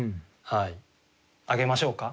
はい。